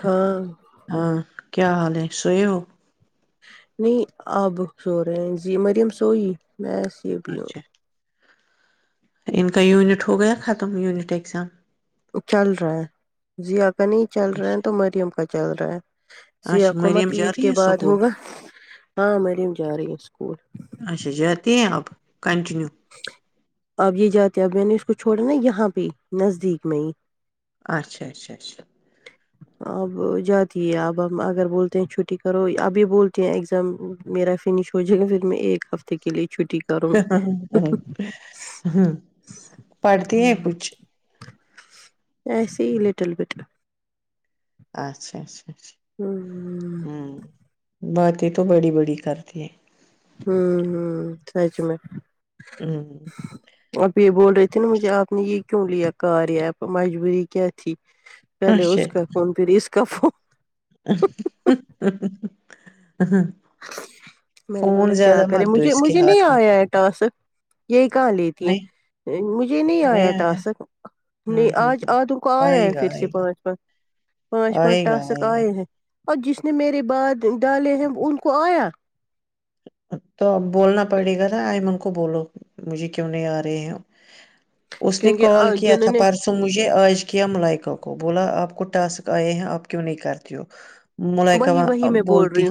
ہاں ہاں کیا حال ہے سو ہو نہیں آپ سو رہے ہیں جی مریم سوئی میںس یہ پوں اچھا ان کا یونٹ ہو گیا ختم یونٹ اگزام چل رہا ہے جی آپ پ نہیں چل رہا ہیں اچھا تو مریم کا چل رہا ہے یا اچھا مریم حکومت جا عید رہی کے ہے بعد اسکول ہوگا ہاں مریم جا رہی ہے اسکول اچھا جاتی ہیں آپ کنٹینیو اب یہ جاتے اب میں نے اس کو چھوڑا نا یہاں پہ نزدیک میں ہی اچھا اچھا اچھا تی اب ہم اگر بولتے ہیں چھٹی کرو ابھی بولتے ہیں ایگزام میرا فنش ہو جائے گا پھر میں ایک ہفتے کے لیے چھٹی کروں گی ا ہ پڑھتی ہیں کچھ ایسے ہی لٹل بٹل اچھا اچھا ہمم ہوں باتیں تو بڑی بڑی کرتی ہیں ہوں ہ سائ چ میں ہ اب یہ بول رہے تھے نا مجھے آپ نے یہ کیوں لیا کراریاپ مجبوری کیا تھی پہلے اس کا فون پھر اس کا کبو [inaudible] ہ میں نے بولا کیا زیادہ کرے مت دو مجھے اس کے مجھے ہاتھ نہیں میں آیا ہے ٹاسک یہی کہاں لیتی نہیں ہیں مجھے نہیں آیا ٹاسک نہیں ہ ہ آج ہ آدوں کو آیا آئے ہے گا پھر سے آئے گا پانچ پانچ پانچ پانچ آئے گا ٹاسک گا آئے ہیں اور جس نے میرے بد ڈالے ہیں ان کویاں تو اب بولنا پڑے گا نا آئم ان کو بولو مجھے کیوں نہیں آ رہے ہیں اس نے کیونکہ کال کیا جنہوں تھا نے پرسوں مجھے آج کیا ملائکہ کو بولا آپ کو ٹسک آئے ہیں آپ کیوں نہیں کرتی ہو وہی ملکہاں وہی میں بول بولتی رہی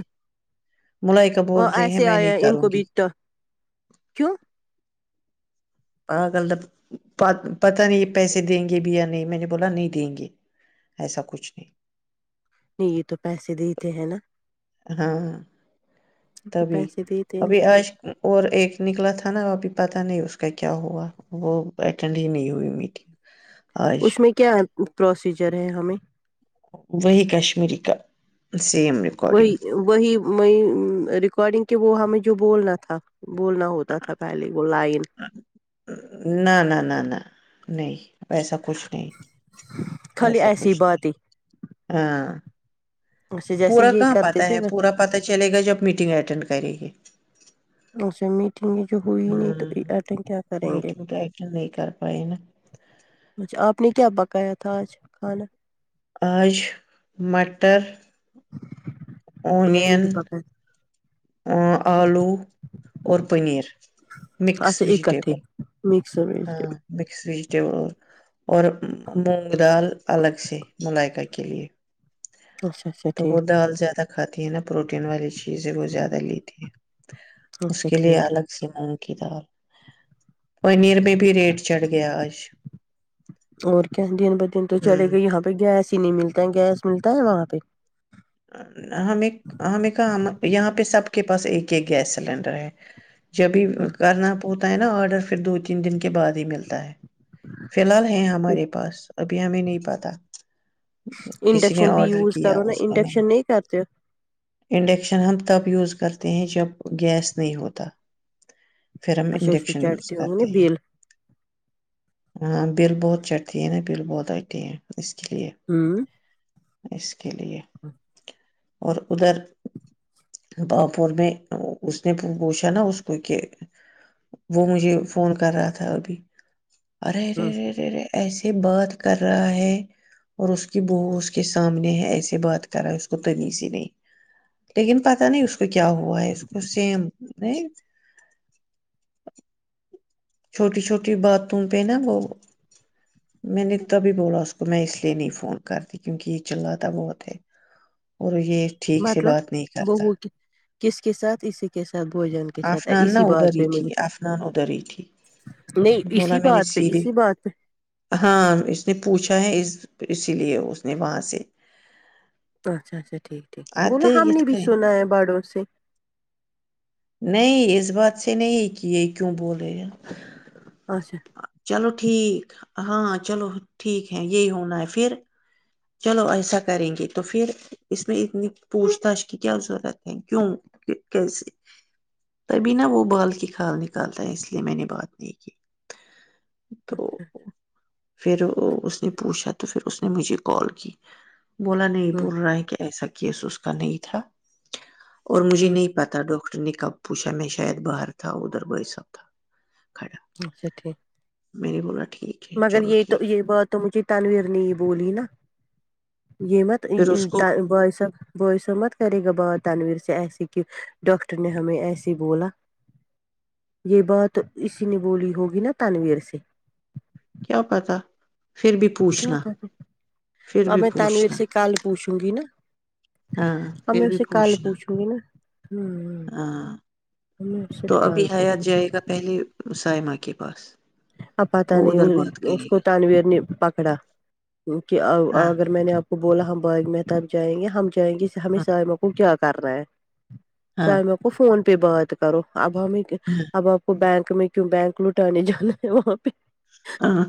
ملائی کپور سے آیا ان کو بیتا کیوں آگلب پتا نہیں پیسے دیں گے بھی یا نہیں میں نے بولا نہیں دیں گے ایسا کچھ نہیں نہیں یہ تو پیسے دیتے ہیں نا ہاں یہ تو تبھی پیسے دیتے ہیں نا۔ ابھی آج اور ایک نکلا تھا ناپ پتا نہیں اس کا کیا ہوا وہ اٹینڈ ہی نہیں ہوئی میٹنگ آج اس میں کیا پروسیجر ج رہے ہمیں وہی کشمیری کا سیم ریکارڈنگ وہی وہی میں ریکارڈنگ کہ وہ ہمیں جو بولنا تھا بولنا ہوتا تھا پہلے وہ لائن نہ نہ نہ نہ نہیں ویسا کچھ نہیں خالی ویسا ایسی کچھ نہیں باتیں ہاں ایسے جیسے پورا یہ کہاں پا کرتے تھے ہے پورا پتاہ چلے گا جب میٹنگ اٹینڈ کرے گی اچھ سے میٹ جو ہوئی نہیں تو ہوں ایٹن کیا کریں گے میٹنگ تو اٹینڈ نہیں کر پائے نا اچھا آپ نے کیا بکایا تھا محتااج خانہ آج مٹر نہیں نہیں اونین پ پپہ آلو اورور پنیر تھا مکس اچھا اکٹھے وجٹیبل مکس ویج ہاں مکس ویجٹیبل اور اور مونگ دال الگ سے ملائقہ کے لیے اچھا اچھا تو وہ ٹھیک دال زیادہ کھاتی ہے نا پروٹین والی چیز ہے وہ زیادہ لیتی ہے اس اچھا کے لئے ٹھیک الگ ٹھیک سی مگ [inaudible] اور کیا دن ب دن تو چلے ہوں گئے یہاں پہ گیس چینی ملتا ہے گیس ملتا ہے وہاں پہ ہمیں ہمیں کہاں یہاں پہ سب کے پاس ایک ایک گیس سلینڈر ہے جبھی کرنا پتا ہے نا آرڈر پھر دو تین دن کے بعد ہی ملتا ہے فی الحال ہے ہمارے پاس ا پ ہمیں نہیں پت انڈکشن بھی یوز کرو نا اس کو میں انڈکش رشن نے نہیں کرتے انڈکشن ہم یوز کرتے ہیں جب گیس نہیں ہوتا پھر ہم اے اس انڈکشن یوز وچارتی ہو گ کرتے ہیں بل ہاں بل بہت چڑھتی ہے نا بل بہت آتی ہیں اس کے لیے اس کے لیے ہاں اور ادھر پاپور میں اس نے پوچھا نا اس کو کہ وہ مجھے فون کر رہا تھا ابھی ارے ہ اےے ارےے ایسے بات کر رہا ہے اور اس کی بہو اس کے سامنے ہے ایسے بات رہا ہے اس کو تنی سی نہیں لیکن پتا نہیں اس کو س کیا کیا ہو آئس گ سیم نہیں چھوٹی چھوٹی باتوں پہ نا وہ میں نے تبھی بولا اس کو میں اس لیے نہیں فون کرتی کیونکہ یہ چل رہ تھا بہت ہے اور یہ ٹھیک سے مطلب بات نہیں کرتا بہو کی کس کے ساتھ اسی کے ساتھ بھوجن کے ساتھ آفنان نہا اسی ادھر بات ہی پہ تھی مجھے آفنان ادھر ہی تھی نہیں بولا اسی میں نے بات پہ سیھے اسی بات پہ ہاں اس نے پوچھا ی لیے اس نے وہاں سے [unintelligible] اچھا اچھا ٹھیک ٹھیک اد بوولو ہم یتھ نے بھی کٔنۍ سنا ہے باڑوں سے ایسے نہیں کیے کیوں بولے ہ [unintelligible] اچھا ٹھیک ہاں چلو ٹھیک ہے یہی ہونا ہے پھر چلو ایسا کریں گے تو پھر اس میں اتنی پوچھ تاچھ کی کیا ضرورت ہے کیوں کیسے تبھی نا وہ بال کی کال نکالتا ہے اس لیے میں نے بات نہیں کی اچھا تو اچھا [unintelligible] پھر اس نے پوچھا تو پھر اس نے مجھے کال کی بولا نہیں اچھا ہ بول رہا ہے کہ ایسا کیس اس کا نہیں تھا اور مجھے ہ نہیں پتا ڈک [unintelligible] ٹنی کا پوشا میں شاید باہر تھا ادھر بسب تھا [unintelligible] کھا اچھا ٹھیک میں نے بولا ٹھیک [unintelligible] مگر چلو یہ تو ٹھیک ہے یہ بات تو مجھے تنویر نے ہی بولی نا یہ مت پھر اس کو بس بوسو مت کرے گا ب تنویر سے ایسے کہ ڈاکٹر نے ہمیں ایسے بولا یہ بات اسی نے بولی ہوگی نا تنویر سے کیا پتا پھر بھی پوچھنا پھر ا بھی میں تانویر پوچھنا سے کال پوچھوں گی نا ہاں ا پھر میں اس بھی سے کال پوچھنا پوچھوں گی نا ہوں ہاں میں اس سے تو ابھی کل حیات پوچھوں گی جائے گا پہلے سائے م کے پاس ااتہ وہ نہیں ادھر بات اس کرے کو تانویر نے پکڑا کہ گا ہاں اگر میں نے بولا ہم باغ محتب جائیں گے ہم جاہیں گے ہمیں ہاں سموں کو کیا کر رہے ہیں ہاں سائم کو فون ب باد کرو اب ہو میں اب آپ کو بینک میں کیوں بینک لوٹان نہیں جانا وہاں پہ ہاں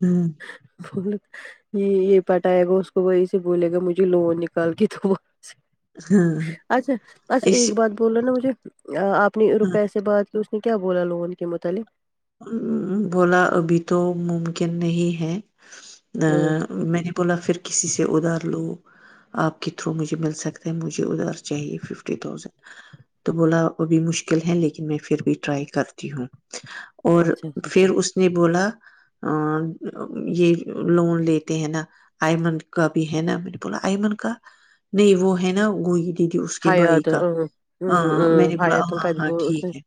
ہوں بول یہ یہ پٹائے گا اس کو وہی سے بولے گا مجھے لو نکال کے تو وہ ہاں۔ اچھا اچھا اس ایک بات بول نا مجھے آ آپ اپنی روپئے سے بعد ج بولا لوگ ان کے متعلق بولا ابھی تو ممکن نہیں ہے ہوں ا میں نے بولا پھر کسی سے ادار لو آپ کے تھرو مجھے مل سکتا ہے مجھے ادھار چاہیے فف تھازینڈ تو بولا وہ بھی مشکل ہے لیکن میں پھر بھی ٹرائی کرتی ہوں اور اچھا اچھا پھر اس نے بولا یہ لون لیتے ہیں نا آئمنڈ کا بھی ہے نا میں نے بولا آئمنڈ کا نہیں وہ ہے نا وہ تھی اس کے بھائی حیات کا ہاں میں نے بولا حیات ہاں ہاں کچبو اس نے ٹھیک ہے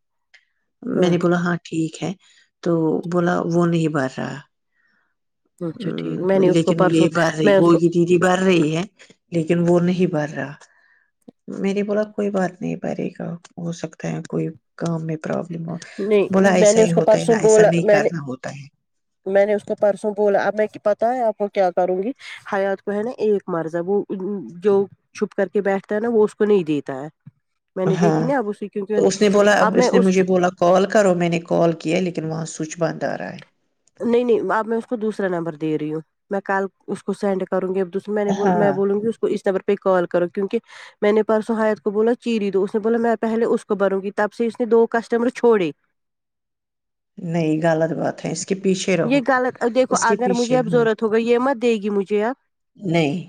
میں نے بولا ہاں ٹھیک ہے تو بولا وہ نہیں بر رہا اچھا ٹھیک میں ہ نے اس کو لیکن یہ پرسوں بھر رہی میں اس گو کو کی دیدی بڑ رہی ہے لیکن وہ نہیں ب رہا میری بولا کوئی بات نہیں پرے گا ہو سکتا ہے کوئی کام میں پرابلم ہو نہیں بولا میں ایسا نے ہی اس کو ہوتا ہے پرسوں نا ایسا بولا نہیں میں نے کرنا ہوتا ہے میں نے اس کو پرسوں بولا اب میں پتاہ ہے آپ کو کیا کروں گی حیات کو ہے نا ایک مرضہ وہ جو چھپ کر کے بیٹھتا ہے نا وہ اس کو نہیں دیتا ہے میں نے دیکھی ہاں نا اب اس کیونک تو اس نے بولا اب میں نے اس مجھے بولا کال کرو میں نے کال کیا لیکن وہاں سوئچ ب بند رہا ہے نہیں نہیں اب میں اس کو دوسرا نمبر دے رہی ہوں میں کل اس کو سینڈ کروں گی میں نےول میں ہاں بولوں گی اس کو اس طر پہ کال کرو کیونکہ میں نے پرسوں حیت کو بولا چیری تو اس نے بولا میں پہلے اس کو بروں گی تب سے اس نے دو کسٹمر چھوڑے نہیں غلط بات ہے اس کے پیچھے یہ رہو غلط دیکھو اس کے اگر مجھے پیچھے اب ہاں ضرورت ہوگا یہ مت دے گی مجھے اب نہیں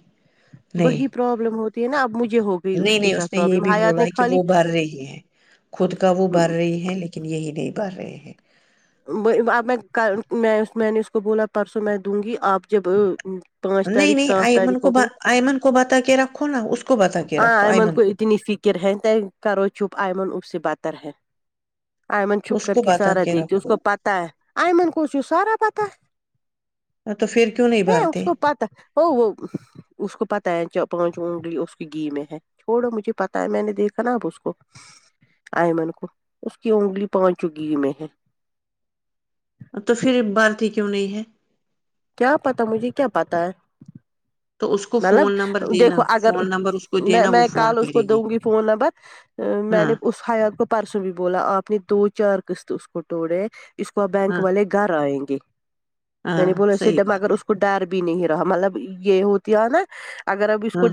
نہیں وہی پرابلم ہوتا نا ابجھے نہیں نہیں اس نے یہ بھی بولا کہ وہ بھر رہی ہے خود کا وہ بھر رہی ہے لیکن یہی نہیں کر رہے ہیں اب میں میں میں نے اس کو بولا پرسوں میں دوں گی آپ جب پانچ نہیں تاریخ نہیں سات آئمن تاریخ کو ہوکن آئمن کو بتا کے رکھو نا اس کو بتا کے ہ رکھو ایمن آئمن کو اتنی فکر ہے کرو چپ ایئن اب سے بت اتر ہے آئمن چھپ اس کر کو کے بتا سارا دیکھ اس رکھو کو پتہ ہے ایئمن کوچ سارا پتہ ہے تو پھر کیوں نہیں ہ اس بھرتے کو پتا وہ وہ اس کو پتاہ ہے چ پہنچ اگلی اس کی گھی میں ہے چھڑو مجھے پتا ہے میں نے دیکھا نا اب اس کو آئمن کو اس کی اگلی پانچوں گھی میں ہے اب تو پھر بارتی کیوں نہیں ہے کیا پت مجھے کیا پت ہے؟ تو اس کو مطلب فون نمبر دینا دیکھو اگر فون نمبر اس کو میں دینا وہ میں فون کال اس کو کرے دوں گی فون نمبر ا میں ہاں نے اس حیات کو پرسوں بھی بولا آپ نے دو چار قسط اس کٹڑ اس کو آ بینک ہاں والے گھر آئیں گے میں نے ہاں بولا صحیح اسےگر بات ہے اس کو ڈر بھی نہیں رہا مطلب یہ ہوتا د نا اگر اب اس کو ہاں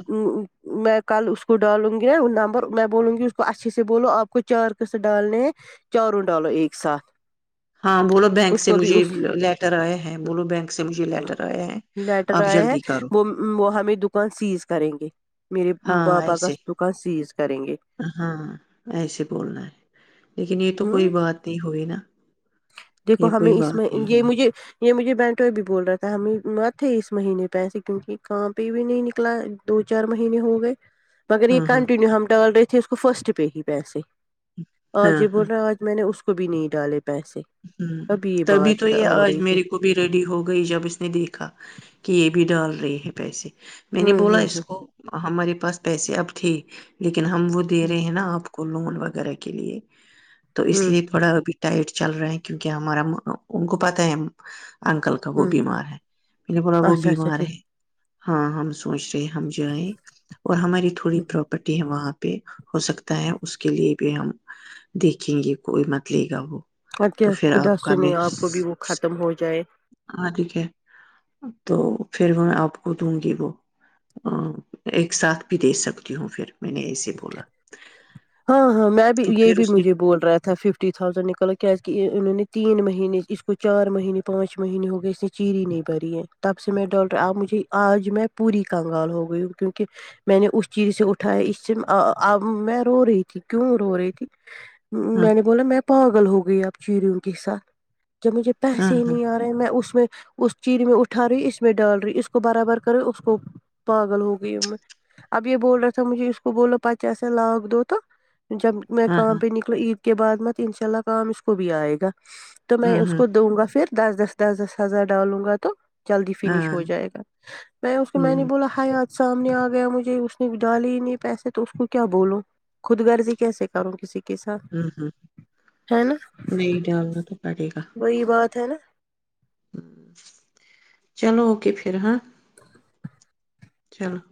میں کل اس کو ڈالوں گی ن نمبر میں بولوں گی اس کو اچھے سے بولو آپ کو چار قس ڈالنے ہیں چاروں ڈالو ایک ساتھ ہاں بولو بینک اس سے کو بھی مجھے اس لیٹر آیا ہیں بولو بینک سے مجھے لیٹر آیا ہے لیٹر آپ آئے ہیں جلدی کرو وہ وہ ہمیں دکان سیز کریں گے میرے ہاں پاپا کا ایسے دکان سیز کریں گے ہاں ایسے بولنا ہے لیکن یہ تو کوئی ہوں بات نہیں ہوئی نا دیکھو یہ ہمیں کوئی اس میں بات نہیں یہ ہوئی مجھے یہ مجھے بینٹو بھی بول رہا تھا ہمیں مت ا تھے اس مہینے پیسے کیونکہ کاں پہ بھی نہیں نکلا دو چار مہینے ہو گئے مگر یہ ہاں ہاں کنٹینیو ہم ڈال رہے تھے اس کو فرسٹ پہ ہی پیسے جی بول رہا آج میں نے اس کو کو بھی نہیں ڈالے پیسے ہ ابھی یہ تبھی بات تو یہ ہو آج رہی تھی میرے کو بھی ریڈی ہو گئی جب اس نے دیکھا کہ یہ بھی ڈال رہ لری ہی پیسے میں نے ہوں بولا ہوں اس کو ہمارے پاس پیسے اب تھے ل ہم وہ دے ہ رہے ہیں نا آپ کو کو لون وغیرہ کے لیے تو اس ہوں لیے بڑا ابھی ٹائٹ چل رہا ہے کیونکہ ہمارا ان کو پت ہے انکل کا وہ ہوں بیمار ہے م نے بولا وہ اچھا اچھا بیمار ٹھیک ہے ہاں ہم سوچ رہے ہم جائیں اور ہماری تھوڑی پراپرٹی ہے وہاں پہ پہ ہو سکتا ہے اس کے لیے بھی ہم دیکھیں گے کوئی مت لے گا وہ اچھا تو پھر خدا آپ کا سنے میں آپ کو بھی وہ ختم ہو جائے ہاں ٹھیک ہے تو پھر میں آپ کو دوں گی وہ ایک ساتھ بھی دے سکتی ہوں پھر میں نے ایسے بولا ہاں ہاں میں بھی تو یہ پھر بھی اس نے مجھے بول رہا تھا ففٹی تھاؤزینڈ نکلو کیا کہ انہوں نے تین مہینے اس کو چار مہینے پانچ مہینے ہو گئے اس نے چیری نہیں بری ہے تب سے میں ڈاکٹر آب مجھے آج میں پوری کنگال ہو گئی ہوں کیونکہ میں نے اس چیری سے اٹھاائے اس سے اب میں رو رہی تھی کیوں رو رہی تھی ہاں میں نے بولا میں پاگل ہو گئی آپ چریوں کے ساتھ جب مجھے ہاں پیسے ہی ہاں نہیں آ رہے میں اس میں اس چییر میں اٹھا رہی اس میں ڈال رہی اس کو برابر کرے اس کو پاگل ہو گئی میں اب یہ بول رہا تھا مجھے اس کو بولو پ کی سا لاک دو تو جب میں ہاں کام پہ نکلا عید کے بعد مت ان شاء اللہ کام اس کو بھی آئے گا تو میں ہاں اس ہاں کو دوں گا پھر دس دس دس دس ہزار ڈالوں گا تو جلدی فنش ہاں ہو جائے گا میں اس کو میں نے ہوں بولا ہائے آ سامنے آ گیا مجھے اس نے ڈالی نہیں پیسے تو اس کو کیا بولو خود گرزی کیسے کرو کسی سات ہوں ہوں ہے نا نہیں ڈالنا تو وہی بات ہے نا ہ چلو اوک پھر ہاں [unintelligible] چلو